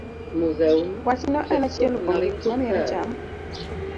Wachno en achiel kuom gik mamiyo cham